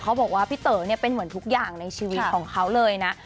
เขาบอกว่าพี่เต๋อเนี่ยเป็นเหมือนทุกอย่างในชีวิตของเขาเลยนะ